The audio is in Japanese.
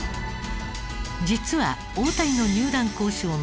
実は大谷の入団交渉